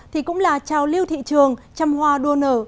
thì cũng là trao lưu thị trường chăm hoa đua nở